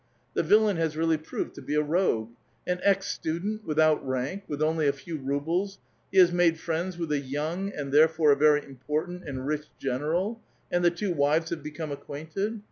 The villain has really proved to be a rogue. An ex student (studentisKka) ^ without rank, with only a few rubles, he has made friends with a young, and therefore a very important, and rich general, and the two wives have become acquainted.